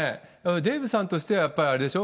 デーブさんとしてはやっぱりあれでしょ。